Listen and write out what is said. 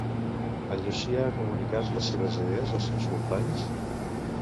En Llucià ha comunicat les seves idees als seus companys?